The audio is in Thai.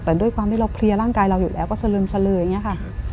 แต่ด้วยความที่เราเคลียร์ร่างกายเราอยู่แล้วก็สลึมสลืออย่างนี้ค่ะ